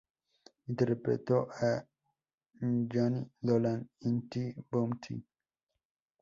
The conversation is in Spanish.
Interpretó a Johnny Dolan en "The Bounty".